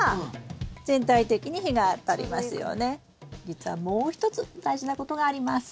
実はもう一つ大事なことがあります。